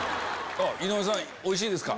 井上さんおいしいですか？